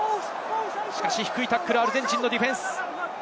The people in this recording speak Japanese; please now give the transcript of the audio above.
しかし低いタックル、アルゼンチンのディフェンスです。